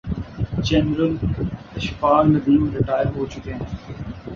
General Ashfaq Nadeem retire ہو چکے ہیں۔